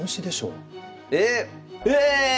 えっえ！